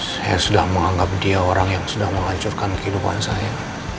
saya sudah menganggap dia orang yang sudah menghancurkan kehidupan saya